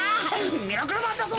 「ミラクルマンだぞ。